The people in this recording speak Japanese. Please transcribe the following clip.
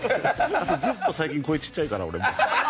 あとずっと最近声ちっちゃいから俺。